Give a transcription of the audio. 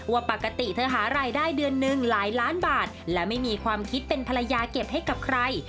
ว่าปกติเธอหารายได้เดือนหนึ่งหลายล้านบาทและไม่มีความคิดเป็นภรรยาเก็บให้กับใคร